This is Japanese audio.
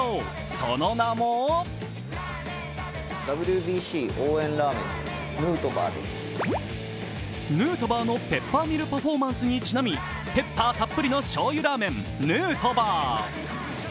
その名もヌートバーのペッパーミルパフォーマンスにちなみペッパーたっぷりのしょうゆラーメン、ヌートバー。